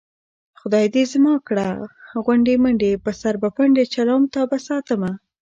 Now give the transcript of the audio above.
خدای دې زما کړه غونډې منډې په سر به پنډې چلوم تابه ساتمه